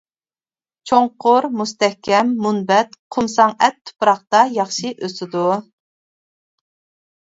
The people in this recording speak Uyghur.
چوڭقۇر مۇستەھكەم مۇنبەت، قۇمساڭ ئەت تۇپراقتا ياخشى ئۆسىدۇ.